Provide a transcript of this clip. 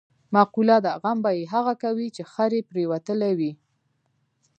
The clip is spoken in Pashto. مقوله ده: غم به یې هغه کوي، چې خر یې پرېوتلی وي.